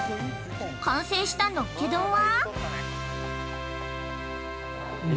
完成したのっけ丼は？